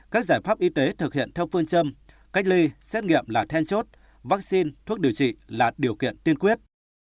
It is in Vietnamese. các giải pháp y tế thực hiện theo phương châm cách ly xét nghiệm là then chốt vaccine thuốc điều trị là điều kiện tiên quyết